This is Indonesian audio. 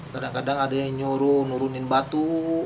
kadang kadang ada yang nyuruh nurunin batu